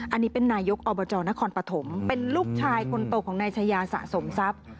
อันนี้เป็นนายกอบจนครปฐมเป็นลูกชายคนโตของนายชายาสะสมทรัพย์